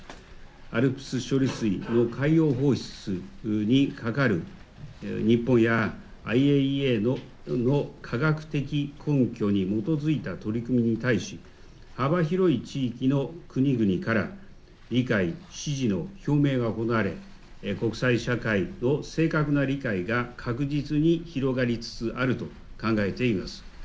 ＡＬＰＳ処理水の海洋放出にかかる日本やＩＡＥＡの科学的根拠に基づいた取り組みに対し、幅広い地域の国々から理解、支持の表明が行われ国際社会の正確な理解が確実に広がりつつあると考えています。